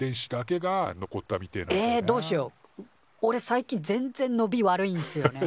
最近全然のび悪いんすよね。